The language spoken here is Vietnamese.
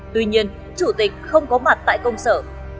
tuy nhiên chủ tịch không có mặt tại công sở